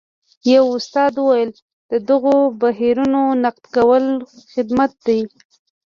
یوه استاد وویل د دغو بهیرونو نقد کول خدمت دی.